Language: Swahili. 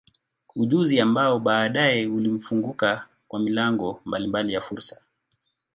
Ujuzi ambao baadaye ulimfunguka kwa milango mbalimbali ya fursa.